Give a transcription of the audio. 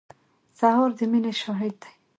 سهار د مینې شاهد دی.